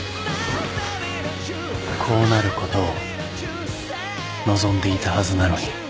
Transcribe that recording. こうなることを望んでいたはずなのに